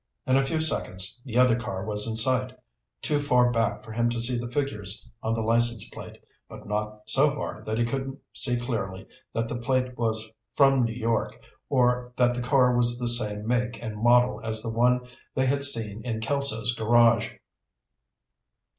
In a few seconds the other car was in sight, too far back for him to see the figures on the license plate, but not so far that he couldn't see clearly that the plate was from New York, or that the car was the same make and model as the one they had seen in Kelso's garage.